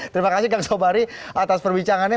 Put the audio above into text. terima kasih kang sobari atas perbincangannya